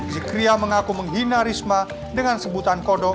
zikria mengaku menghina risma dengan sebutan kodo